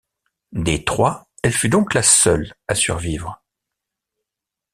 Des trois, elle fut donc la seule à survivre.